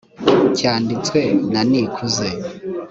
cyanditswe na nikuze